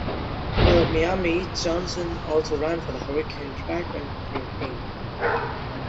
While at Miami, Johnson also ran for the Hurricanes track and field team.